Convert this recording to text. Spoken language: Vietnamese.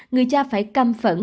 người cha phải căm phẫn